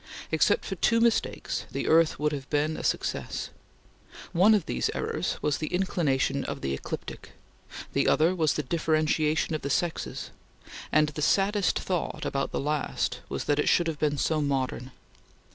Except for two mistakes, the earth would have been a success. One of these errors was the inclination of the ecliptic; the other was the differentiation of the sexes, and the saddest thought about the last was that it should have been so modern.